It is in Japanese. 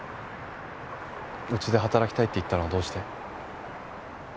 うちで働きたいって言ったのはどうして？